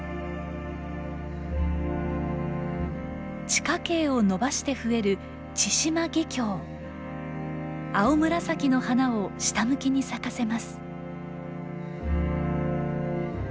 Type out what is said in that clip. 地下茎を伸ばして増える青紫の花を下向きに咲かせます。